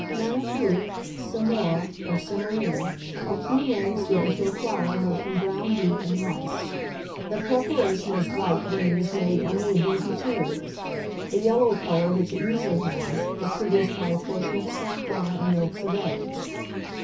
MANNA KROUP, SEMORA, or SEMOLINA, are three names given to a flour made from ground wheat and rice. The preparation is white when it is made only of these materials; the yellow colour which it usually has, is produced by a portion of saffron and yolks of eggs.